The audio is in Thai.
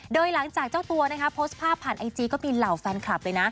โดยหลังจากเจ้าตัวโพสต์ภาพผ่านไอจีก็มีเหล่าแฟนคลับเลยนะ